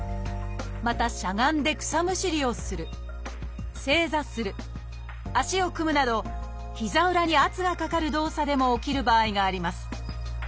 またしゃがんで草むしりをする正座する足を組むなど膝裏に圧がかかる動作でも起きる場合があります。